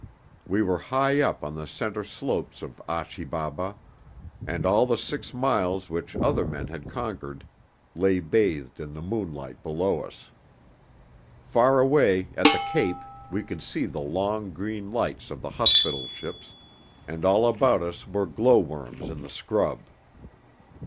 We were high up on the centre slopes of Achi Baba, and all the six miles which other men had conquered lay bathed in moonlight below us. Far away at the cape we could see the long, green lights of the hospital ships, and all about us were glow worms in the scrub.